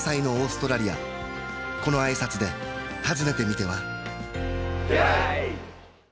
この挨拶で訪ねてみては？